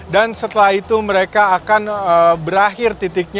dan setelah itu mereka akan berakhir